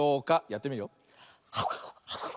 やってみるよ。